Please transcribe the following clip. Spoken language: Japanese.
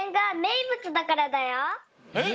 えっ